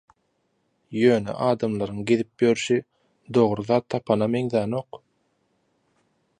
Ýöne adamlaryň gezip ýörşi dogry zat tapana meňzänok.